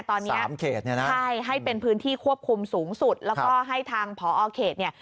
ตอนนี้ใช่ให้เป็นพื้นที่ควบคุมสูงสุดแล้วก็ให้ทางพอเขตเนี่ย